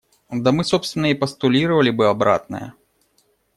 Да мы, собственно, и постулировали бы обратное.